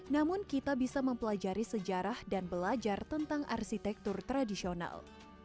namun kita bisa mempelajari sejarah dan belajar tentang arsitektur tradisional